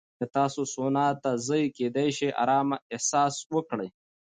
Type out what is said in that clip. که تاسو سونا ته ځئ، کېدای شي ارامه احساس وکړئ.